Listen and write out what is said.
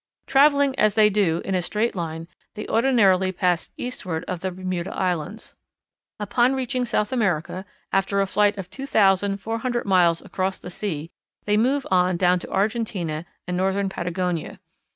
Travelling, as they do, in a straight line, they ordinarily pass eastward of the Bermuda Islands. Upon reaching South America, after a flight of two thousand four hundred miles across the sea, they move on down to Argentina and northern Patagonia.